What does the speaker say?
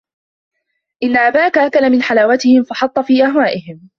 إنَّ أَبَاك أَكَلَ مِنْ حَلَاوَتِهِمْ ، فَحَطَّ فِي أَهْوَائِهِمْ